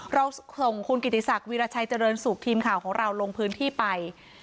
เราส่งคุณกิติศักดิราชัยเจริญสุขทีมข่าวของเราลงพื้นที่ไป